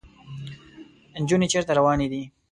انجونې چېرته روانې دي ؟